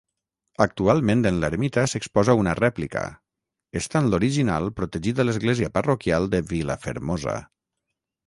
Actualment en l'ermita s'exposa una rèplica, estant l'original protegit a l'església parroquial de Vilafermosa.